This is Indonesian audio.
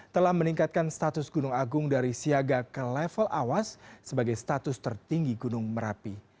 telah meningkatkan status gunung agung dari siaga ke level awas sebagai status tertinggi gunung merapi